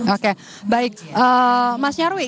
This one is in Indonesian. oke baik mas nyarwi